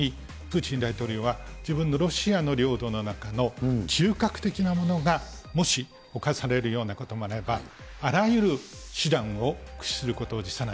特にプーチン大統領は、自分のロシアの領土の中の中核的なものがもし侵されるようなことがあれば、あらゆる手段を駆使することを辞さない。